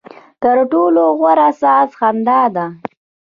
ترټولو غوره ساز خندا ده.